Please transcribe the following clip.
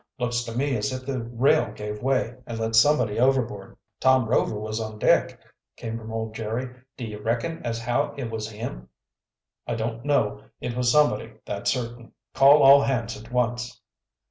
"Looks to me as if the rail gave way and let somebody overboard." "Tom Rover was on deck," came from old Jerry. "Do you reckon as how it was him?" "I don't know. It was somebody, that's certain. Call all hands at once."